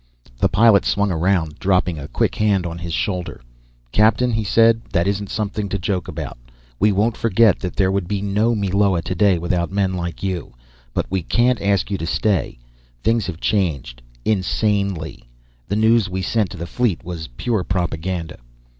The pilot swung around, dropping a quick hand on his shoulder. "Captain," he said, "that isn't something to joke about. We won't forget that there would be no Meloa today without men like you. But we can't ask you to stay. Things have changed insanely. The news we sent to the fleet was pure propaganda!"